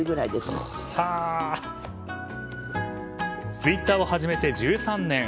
ツイッターを始めて１３年。